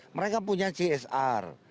mereka punya csr